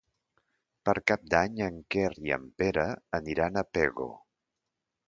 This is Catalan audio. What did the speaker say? Per Cap d'Any en Quer i en Pere aniran a Pego.